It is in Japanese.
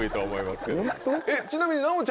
ちなみに。